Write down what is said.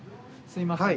すいません。